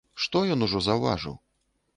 Што ён ужо заўважыў?